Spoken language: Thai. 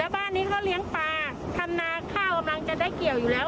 บ้านนี้เขาเลี้ยงปลาทำนาข้าวกำลังจะได้เกี่ยวอยู่แล้ว